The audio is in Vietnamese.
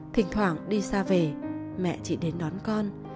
thỉnh thoảng đi xa về mẹ chỉ đến đón con